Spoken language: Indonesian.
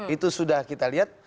itu sudah kita lihat